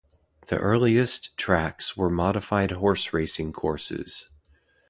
The earliest tracks were modified horse racing courses.